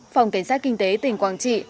phòng cảnh sát kinh tế tỉnh quảng trị